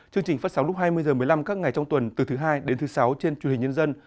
chương trình phát sóng lúc hai mươi h một mươi năm các ngày trong tuần từ thứ hai đến thứ sáu trên truyền hình nhân dân